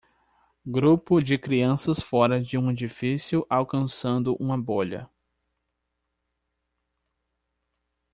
grupo de crianças fora de um edifício, alcançando uma bolha